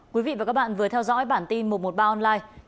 quý vị và các bạn vừa theo dõi bản tin một trăm một mươi ba online